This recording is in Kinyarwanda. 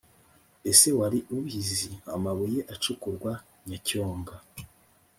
ese wari ubizi?amabuye acukurwa nyacyonga